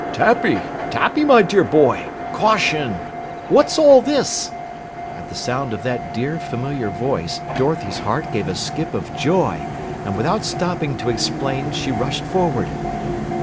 "Tappy, Tappy, my dear boy. Caution! What's all this?" At the sound of that dear, familiar voice Dorothy's heart gave a skip of joy, and without stopping to explain she rushed forward.